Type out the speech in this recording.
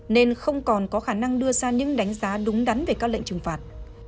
nên không còn có khả năng đưa ra những đánh giá đúng đắn về các lệnh trừng phạt